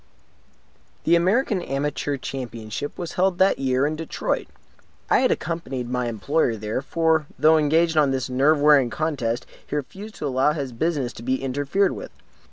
The American Amateur Championship was held that year in Detroit. I had accompanied my employer there; for, though engaged on this nerve wearing contest, he refused to allow his business to be interfered with.